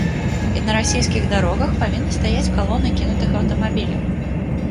І на расійскіх дарогах павінны стаяць калоны кінутых аўтамабіляў.